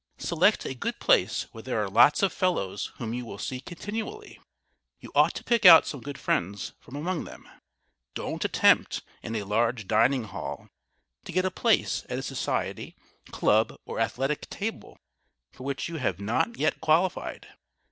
Select a good place where there are lots of fellows whom you will see continually. You ought to pick out some good friends from among them. [Sidenote: YOUR TABLE] Don't attempt, in a large dining hall, to get a place at a society, club, or athletic table for which you have not yet qualified.